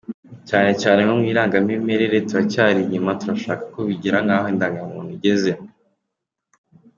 Cyane cyane nko mu irangamimerere turacyari inyuma turashaka ko bigera nk’aho indangamuntu igeze.